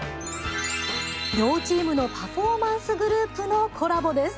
両チームのパフォーマンスグループのコラボです。